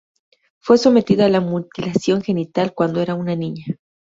Fue sometida a la mutilación genital cuando era una niña.